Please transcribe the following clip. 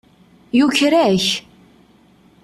Yuker-ak.